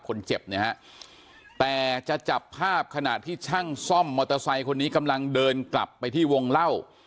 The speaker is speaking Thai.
คนเจ็บเนี่ยฮะแต่จะจับภาพขณะที่ช่างซ่อมมอเตอร์ไซค์คนนี้กำลังเดินกลับไปที่วงเล่า